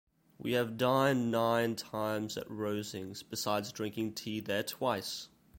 We have dined nine times at Rosings, besides drinking tea there twice!